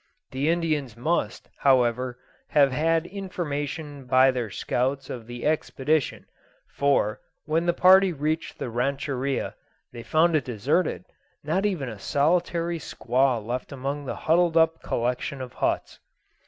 The Indians must, however, have had information by their scouts of the expedition; for, when the party reached the rancheria, they found it deserted not even a solitary squaw left among the huddled up collection of huts.